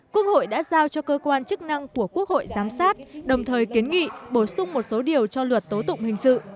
quốc hội đã giao cho cơ quan chức năng của quốc hội giám sát đồng thời kiến nghị bổ sung một số điều cho luật tố tụng hình sự